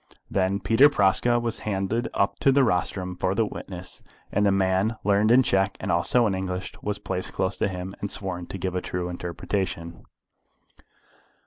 Then Peter Praska was handed up to the rostrum for the witnesses, and the man learned in Czech and also in English was placed close to him, and sworn to give a true interpretation.